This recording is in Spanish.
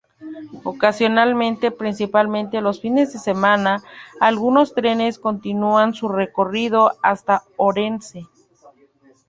Ocasionalmente, principalmente los fines de semana, algunos trenes continúan su recorrido hasta Orense.